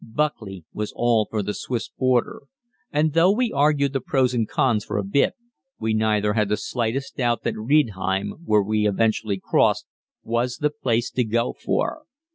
Buckley was all for the Swiss border, and though we argued the pros and cons for a bit, we neither had the slightest doubt that Riedheim, where we eventually crossed, was the place to go for.